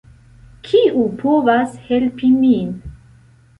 Kiu povas helpi min?